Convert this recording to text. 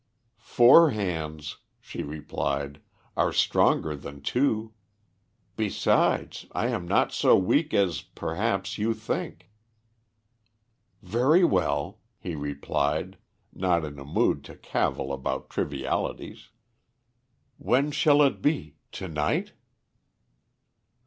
"Four hands," she replied, "are stronger than two. Besides, I am not so weak as, perhaps, you think." "Very well," he replied, not in a mood to cavil about trivialities. "When shall it be to night?"